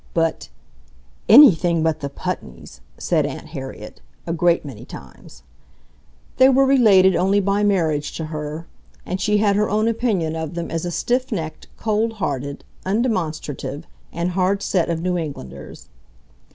But "ANYTHING but the Putneys!" said Aunt Harriet, a great many times. They were related only by marriage to her, and she had her own opinion of them as a stiffnecked, cold hearted, undemonstrative, and hard set of New Englanders.